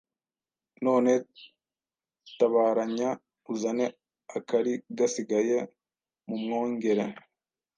None tabaranya uzane akari gasigaye mumwongere